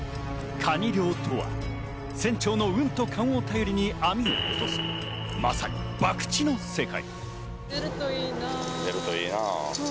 かに漁とは船長の運と勘を頼りに網を落とす、まさに博打の世界。